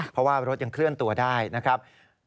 เพราะว่ารถยังเคลื่อนตัวได้นะครับ